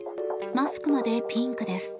マスクまでピンクです。